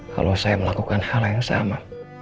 kalau saya melakukan hal yang sama